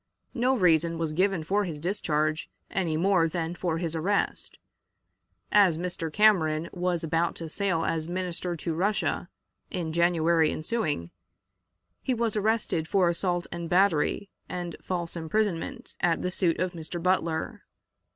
No reason was given for his discharge any more than for his arrest. As Mr. Cameron was about to sail as Minister to Russia, in January ensuing, he was arrested for assault and battery and false imprisonment, at the suit of Mr. Butler.